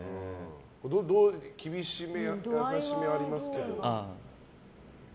厳しめ、優しめありますけど。